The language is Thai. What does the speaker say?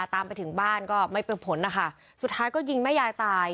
ตามไปถึงบ้านก็ไม่เป็นผลนะคะสุดท้ายก็ยิงแม่ยายตาย